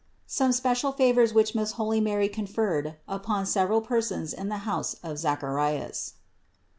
SOME SPECIAL FAVORS WHICH MOST HOLY MARY CON FERRED UPON SEVERAL PERSONS IN THE HOUSE OF Z AC H ARIAS, 254.